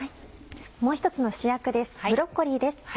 もう１つの主役です。